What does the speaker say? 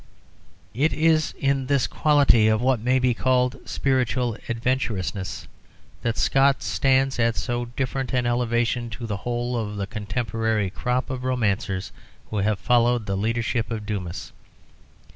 It is in this quality of what may be called spiritual adventurousness that Scott stands at so different an elevation to the whole of the contemporary crop of romancers who have followed the leadership of Dumas.